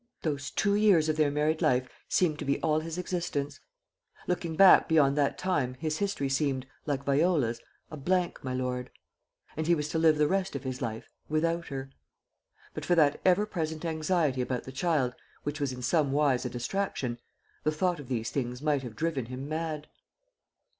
Those two years of their married life seemed to be all his existence; looking back beyond that time, his history seemed, like Viola's, "A blank, my lord." And he was to live the rest of his life without her. But for that ever present anxiety about the child, which was in some wise a distraction, the thought of these things might have driven him mad.